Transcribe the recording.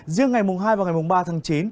riêng ngày hai và ngày ba tháng chín